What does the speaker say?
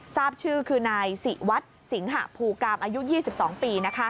ทราบชื่อคือนายศิวัฒน์สิงหะภูกรรมอายุ๒๒ปี